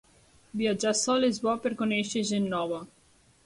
Viatjar sol és bo per conèixer gent nova.